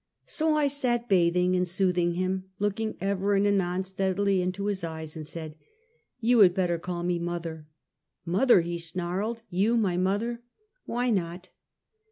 So I sat bathing and sooth ing him, looking ever and anon steadily into his eyes, and said: " Ton had better call me mother." "Mother! " he snarled, "You my mother!" "Why not?"